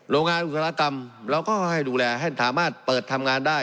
โรงงานอุตสาหกรรมเราก็ให้ดูแลให้สามารถเปิดทำงานได้